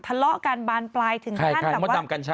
ทะเลาะการบานปลายถึงขั้นใครมัวตำกันใช่